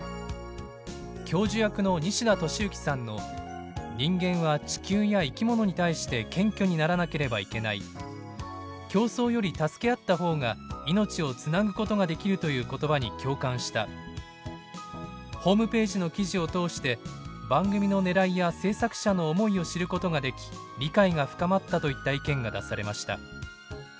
「教授役の西田敏行さんの『人間は地球や生き物に対して謙虚にならなければいけない』『競争より助け合った方が命をつなぐことができる』という言葉に共感した」「ホームページの記事を通して番組のねらいや制作者の思いを知ることができ理解が深まった」といった意見が出されました。